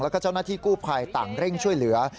แล้วก็เจ้าหน้าที่กู้ภัยต่างเร่งช่วยเหลือ